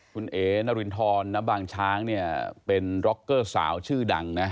คุณเอ๋นารินทรณบางช้างเนี่ยเป็นร็อกเกอร์สาวชื่อดังนะ